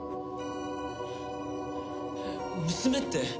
娘って？